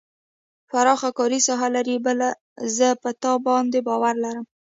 پراخه کاري ساحه لري بل زه په تا باندې باور لرم.